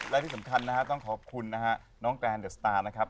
แต่วันนี้ต้องขอบคุณเข้าก่อนเนอะ